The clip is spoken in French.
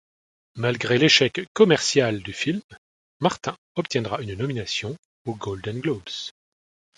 Malgré l'échec commercial du film, Martin obtiendra une nomination au Golden Globes.